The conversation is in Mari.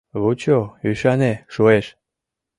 Вучо, ӱшане, шуэш!